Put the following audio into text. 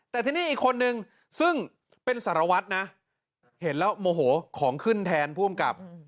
แต่ทีนี้อีกคนนึงซึ่งเป็นสารวัตรนะเห็นแล้วโมโหของขึ้นแทนผู้อำกับ